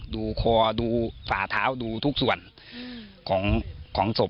ดูคอดูฝาเท้าดูทุกส่วนของศพนะครับ